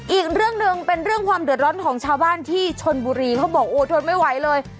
อีกเรื่องหนึ่งเป็นเรื่องความเดือดร้อนของชาวบ้านที่ชนบุรีเขาบอกโอ้ทนไม่ไหวเลย